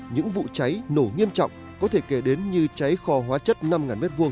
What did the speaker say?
những vụ cháy nổ nghiêm trọng có thể kể đến như cháy kho hóa chất năm m hai